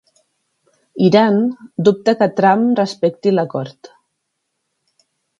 Iran dubta que Trump respecti l'acord